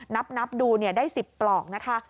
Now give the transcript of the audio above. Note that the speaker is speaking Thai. นับดูได้๑๐ปลอกนะคะ